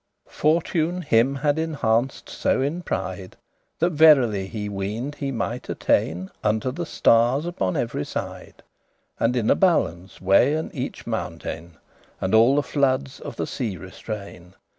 Fortune him had enhanced so in pride, That verily he ween'd he might attain Unto the starres upon every side, And in a balance weighen each mountain, And all the floodes of the sea restrain.